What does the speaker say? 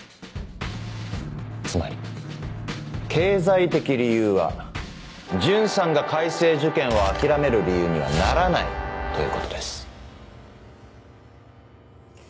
つまり経済的理由は順さんが開成受験を諦める理由にはならないということです。